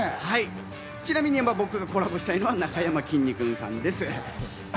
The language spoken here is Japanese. ちなみに僕がコラボしたいのは、なかやまきんに君さんです。